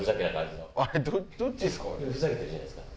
どっちですか？